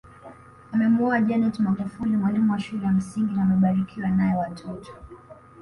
Amemuoa Janet Magufuli mwalimu wa shule ya msingi na amebarikiwa nae watoto